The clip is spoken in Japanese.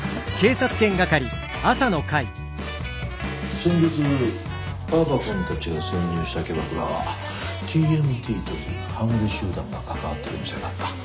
先日青葉くんたちが潜入したキャバクラは「ＴＭＴ」という半グレ集団が関わってる店だった。